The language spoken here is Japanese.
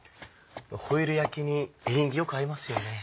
ホイル焼きにエリンギよく合いますよね。